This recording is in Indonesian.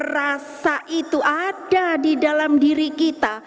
rasa itu ada di dalam diri kita